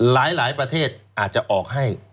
หลายประเทศอาจจะออกให้